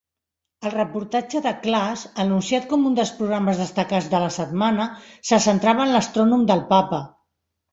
El reportatge de Klass, anunciat com un dels programes destacats de la setmana, se centrava en l'astrònom del Papa.